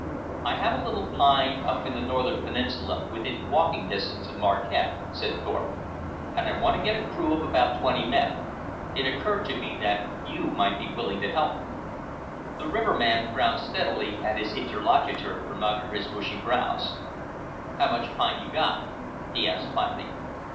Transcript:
"I have a little pine up in the northern peninsula within walking distance of Marquette," said Thorpe, "and I want to get a crew of about twenty men. It occurred to me that you might be willing to help me." The riverman frowned steadily at his interlocutor from under his bushy brows. "How much pine you got?" he asked finally.